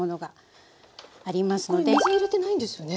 これ水を入れてないんですよね？